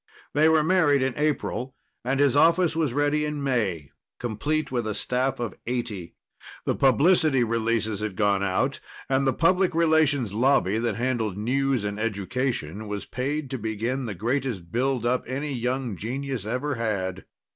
They were married in April and his office was ready in May, complete with a staff of eighty. The publicity releases had gone out, and the Public Relations Lobby that handled news and education was paid to begin the greatest build up any young genius ever had.